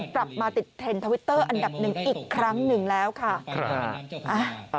กลับมาติดเทรนด์ทวิตเตอร์อันดับหนึ่งอีกครั้งหนึ่งแล้วค่ะ